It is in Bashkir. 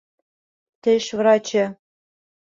Теш врачы